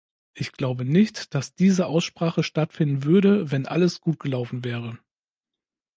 Ich glaube nicht, dass diese Aussprache stattfinden würde, wenn alles gut gelaufen wäre.